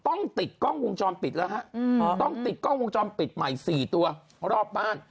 ต้องติดกล้องวงจรปิดแล้วฮะต้องติดกล้องวงจรปิดใหม่๔ตัวรอบบ้าน